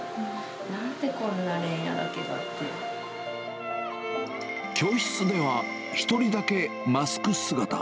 なんでこんな、教室では、１人だけマスク姿。